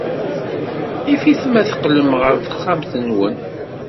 Yif-it ma teqqlem ɣer texxamt-nwen.